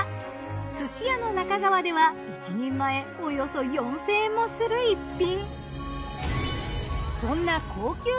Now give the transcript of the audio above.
すし屋の中川では１人前およそ４，０００円もする逸品。